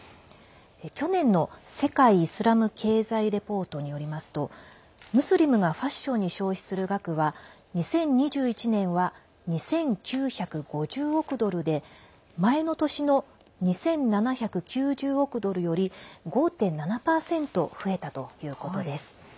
去年の世界イスラム経済レポートによりますとムスリムがファッションに消費する額は２０２１年は２９５０億ドルで前の年の２７９０億ドルより５．７％増えたということです。